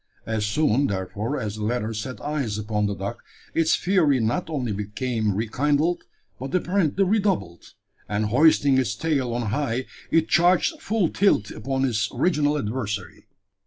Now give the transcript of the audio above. As soon, therefore, as the latter set eyes upon the dog, its fury not only became rekindled, but apparently redoubled; and, hoisting its tail on high, it charged full tilt upon its original adversary.